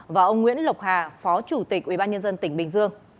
và ông nguyễn lộc hà phó chủ tịch ubnd tỉnh bình dương